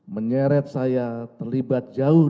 menyeret saya terlibat jauh